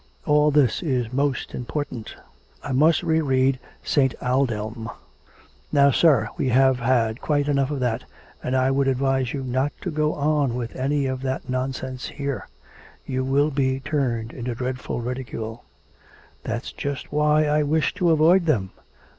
All this is most important. I must re read St. Aldhelm.' 'Now, sir, we have had quite enough of that, and I would advise you not to go on with any of that nonsense here; you will be turned into dreadful ridicule.' 'That's just why I wish to avoid them.